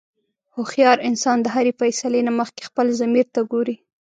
هوښیار انسان د هرې فیصلې نه مخکې خپل ضمیر ته ګوري.